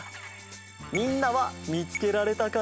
みんなはみつけられたかな？